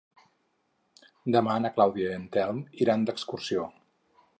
Demà na Clàudia i en Telm iran d'excursió.